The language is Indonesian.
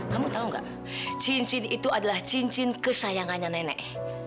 kamu tau gak cincin itu adalah cincin kesayangannya nenek